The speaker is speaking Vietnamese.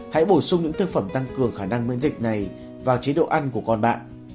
hãy bổ sung những thực phẩm tăng cường khả năng miễn dịch này vào chế độ ăn của con bạn